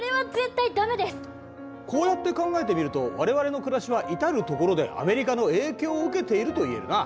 こうやって考えてみると我々の暮らしは至る所でアメリカの影響を受けているといえるな。